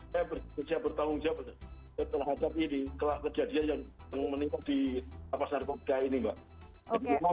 saya bertanggung jawab setelah hadap ini setelah kejadian yang menimbul di lapasan republik ini mbak